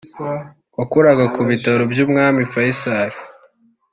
wakoraga ku bitaro by’umwami Faiçal